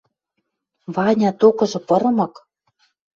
Ваня токыжы пырымык